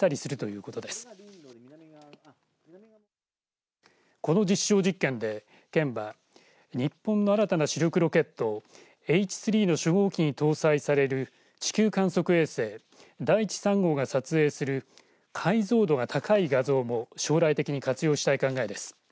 この実証実験で県は日本の新たな主力ロケットＨ３の初号機に搭載される地球観測衛星だいち３号が撮影する解像度が高い画像も将来的に活用したい考えです。